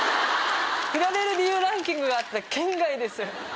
フラれる理由ランキングがあったら圏外です。